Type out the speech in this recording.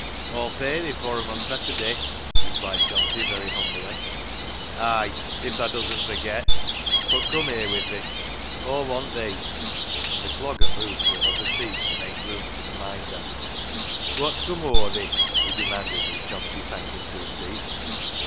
" Aw'll pay thi for 'em o' Seterday," replied Johnty very humbly. " Ay, if tha doesn't forget ; but come here wi' thi ; Aw want tJiee" and the Clogger moved to another seat to make room for the Minder. " Wots cum o'er thi ?" he demanded, as Johnty sank into a seat.